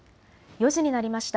４時になりました。